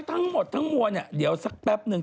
ทั้งหมดทั้งมวลเนี่ยเดี๋ยวสักแป๊บนึง